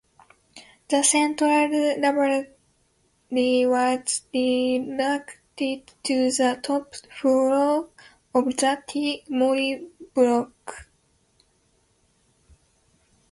The Central Library was relocated to the top floor of the T. Mori Block.